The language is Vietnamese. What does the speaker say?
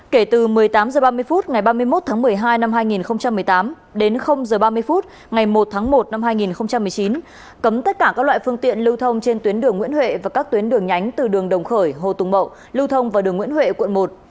kể từ một mươi tám h ba mươi phút ngày ba mươi một tháng một mươi hai năm hai nghìn một mươi tám đến h ba mươi phút ngày một tháng một năm hai nghìn một mươi chín cấm tất cả các loại phương tiện lưu thông trên tuyến đường nguyễn huệ và các tuyến đường nhánh từ đường đồng khởi hồ tùng mậu lưu thông vào đường nguyễn huệ quận một